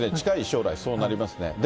近い将来そうなりますね。